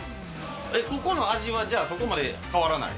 ここの味は、そこまで変わらない？